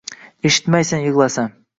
Eshitmaysan yig‘lasam.